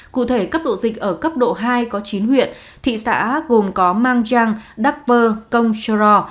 cụ thể cấp độ dịch ở cấp độ hai có chín huyện thị xã gồm có mang trang đắc pơ công trô rò